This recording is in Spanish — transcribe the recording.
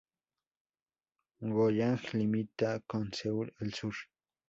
Goyang limita con Seúl al sur.